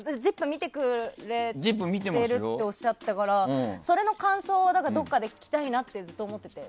見てくれてるっておっしゃったから、それの感想をどこかで聞きたいなとずっと思ってて。